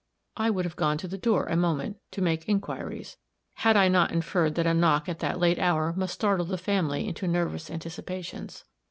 I would have gone to the door a moment, to make inquiries, had I not inferred that a knock at that late hour must startle the family into nervous anticipations.